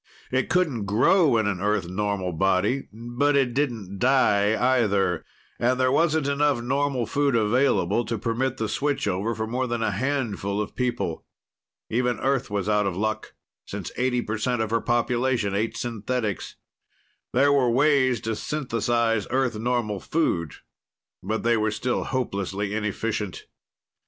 It couldn't grow in an Earth normal body, but it didn't die, either. And there wasn't enough normal food available to permit the switch over for more than a handful of people. Even Earth was out of luck, since eighty percent of her population ate synthetics. There were ways to synthesize Earth normal food, but they were still hopelessly inefficient.